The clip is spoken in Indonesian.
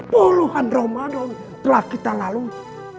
puluhan ramadan telah kita lalui